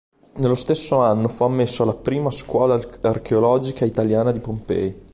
Nello stesso anno fu ammesso alla Prima Scuola Archeologica Italiana di Pompei.